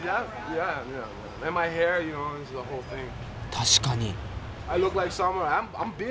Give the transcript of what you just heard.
確かに！